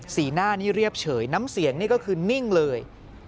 หน้านี้เรียบเฉยน้ำเสียงนี่ก็คือนิ่งเลย